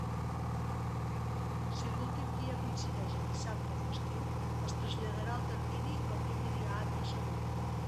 Si l'últim dia coincideix en dissabte o festiu, es traslladarà el termini al primer dia hàbil següent.